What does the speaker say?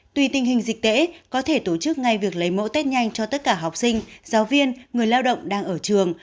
tùy tình hình dịch tễ có thể tổ chức ngay việc lấy mẫu tết nhanh cho tất cả học sinh giáo viên người lao động đang ở trường